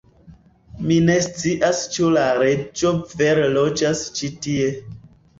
Mi ne scias ĉu la reĝo vere loĝas ĉi tie